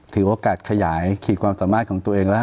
ถือโอกาสขยายขีดความสามารถของตัวเองแล้ว